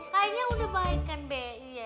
kayaknya sudah baik kan be